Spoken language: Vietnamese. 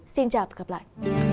xin chào và hẹn gặp lại